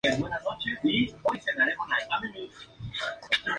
Francisco I llevó a Leonardo da Vinci a su corte.